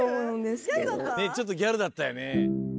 ちょっとギャルだったよね？